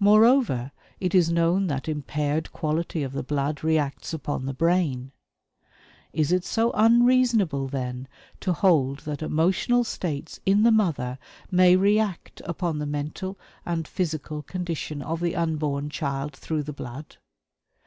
Moreover, it is known that impaired quality of the blood reacts upon the brain. Is it so unreasonable, then, to hold that emotional states in the mother may react upon the mental and physical condition of the unborn child, through the blood?